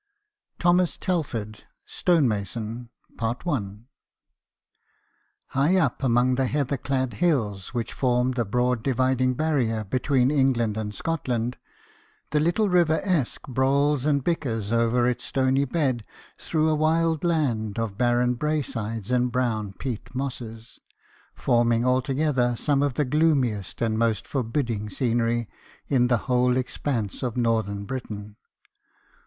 THOMAS TELFORD, STONEMASON. IGH up among the heather clad hills which form the broad dividing barrier between England and Scot land, the little river Esk brawls and bickers over its stony bed through a wild land of barren braesides and brown peat mosses, forming altogether some of the gloomiest and most forbidding scenery in the whole expanse of northern Britain.